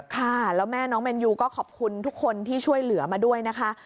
ค่ะแล้วแม่น้องแมนยูก็ขอบคุณทุกคนที่ช่วยเหลือมาด้วยนะคะ